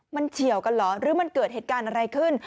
มันเฉียวกันเหรอหรือมันเกิดเหตุการณ์อะไรขึ้น